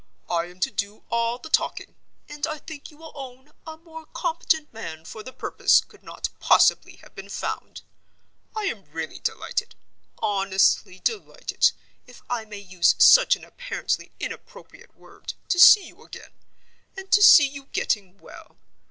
"I am to do all the talking; and, I think you will own, a more competent man for the purpose could not possibly have been found. I am really delighted—honestly delighted, if I may use such an apparently inappropriate word—to see you again, and to see you getting well.